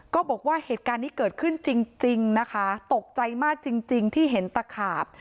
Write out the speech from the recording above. ก็บอกว่าเหตุการณ์นี้เกิดขึ้นจริงนะคะตกใจมากจริงที่เห็นตะขาบ